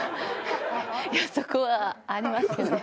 いやそこはありますよね？